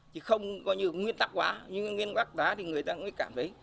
chứ không có như nguyên tắc quá nguyên quắc tá thì người ta mới cảm thấy